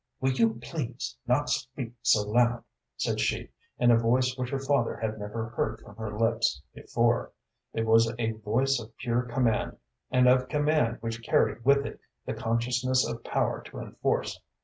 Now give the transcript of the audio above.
"Will you please not speak so loud," said she, in a voice which her father had never heard from her lips before. It was a voice of pure command, and of command which carried with it the consciousness of power to enforce.